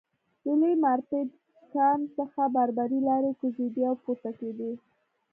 له لوی مارپیچ کان څخه باربري لارۍ کوزېدې او پورته کېدې